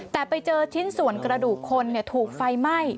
แต่ไปเจอชิ้นส่วนกระดูกคนถูกไฟไหม้